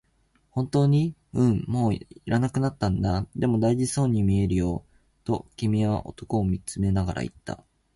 「本当に？」、「うん、もう要らなくなったんだ」、「でも、大事そうに見えるよ」と君は男を見つめながら言った。